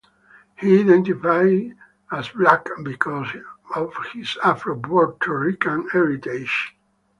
He identified as Black because of his Afro-Puerto Rican heritage.